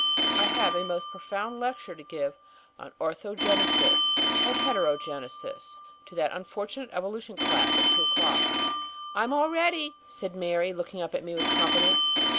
I have a most profound lecture to give on Orthogenesis and Heterogenesis to that unfortunate Evolution class at two o'clock." "I'm all ready," said Mary, looking up at me with confidence.